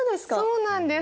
そうなんです。